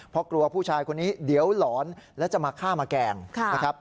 เพราะกลัวผู้ชายคนนี้เดี๋ยวหลอนแล้วจะมาฆ่ามาแกล้งนะครับ